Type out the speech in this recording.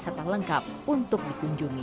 wisata lengkap untuk dikunjungi